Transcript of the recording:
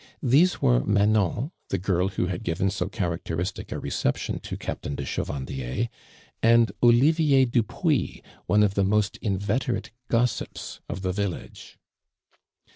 Tlnso were Manon, the girl who had given hO characteristic a reception to Captain de Chevandier, and Olivier Dupuis, one of the most inveterate gossips of the village.